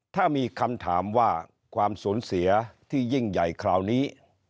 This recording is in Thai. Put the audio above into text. ถ้ามีคำถามว่าความสูญเสียที่ยิ่งใหญ่คราวนี้